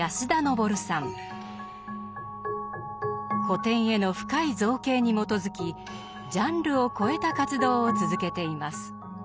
古典への深い造詣に基づきジャンルを超えた活動を続けています。